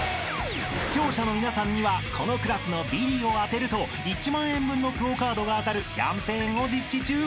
［視聴者の皆さんにはこのクラスのビリを当てると１万円分のＱＵＯカードが当たるキャンペーンを実施中］